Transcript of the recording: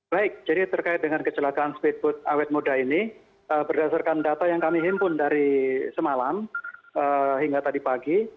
baik jadi terkait dengan kecelakaan speedboat awet muda ini berdasarkan data yang kami himpun dari semalam hingga tadi pagi